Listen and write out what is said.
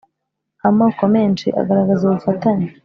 amoko menshi agaragaraza ubufatanye